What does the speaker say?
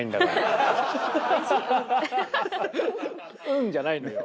「うん」じゃないのよ。